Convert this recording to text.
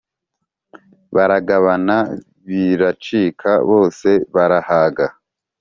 Baragabagabana biracika bose barahaga